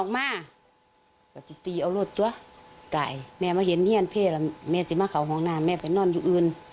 มารับเคราะห์แทนพ่อกับแม่